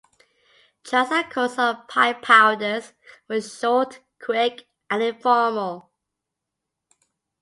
Trials at courts of Piepowders were short, quick and informal.